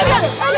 ada neng aida